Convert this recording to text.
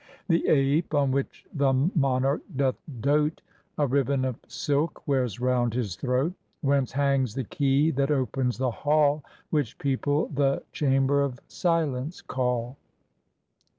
The ape on which the monarch doth dote A ribbon of silk wears round his throat, Whence hangs the key that opens the hall Which people the "Chamber of Silence" call.